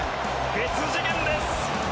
別次元です。